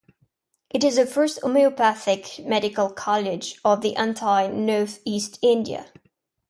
It is the first homeopathic medical college of the entire North East India.